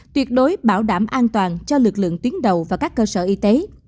tuyệt đối bảo đảm an toàn cho lực lượng tuyến đầu và các cơ sở y tế